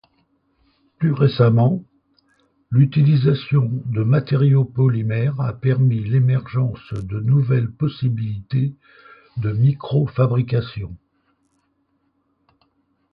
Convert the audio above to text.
Plus récemment, l'utilisation de matériaux polymères a permis l'émergence de nouvelles possibilités de microfabrication.